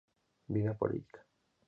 Vida política".